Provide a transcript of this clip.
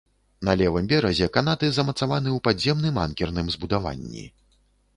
На левым беразе канаты замацаваны ў падземным анкерным збудаванні.